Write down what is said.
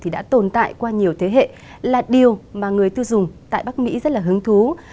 đã tồn tại qua nhiều thế hệ là điều mà người tư dùng tại bắc mỹ rất hứng thú